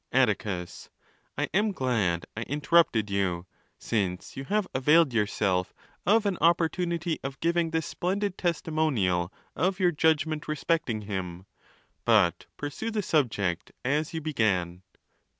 Atticus—I am glad I interrupted you, since you have availed yourself of an opportunity of giving this splendid testimonial of your judgment respecting him; but pursue the subject as you began.